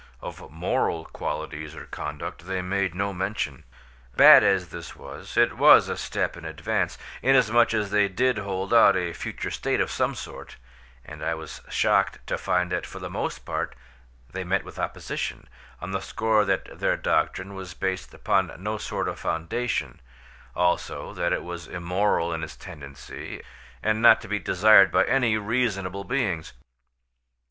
Of moral qualities or conduct they made no mention. Bad as this was, it was a step in advance, inasmuch as they did hold out a future state of some sort, and I was shocked to find that for the most part they met with opposition, on the score that their doctrine was based upon no sort of foundation, also that it was immoral in its tendency, and not to be desired by any reasonable beings.